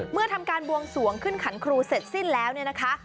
เมื่อทำการบวงสวงขึ้นขันครูเสร็จสิ้นแล้วเนี่ยนะคะ